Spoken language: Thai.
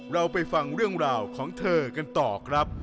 เราไปฟังเรื่องราวของเธอกันต่อครับ